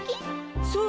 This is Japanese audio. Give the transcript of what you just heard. そう。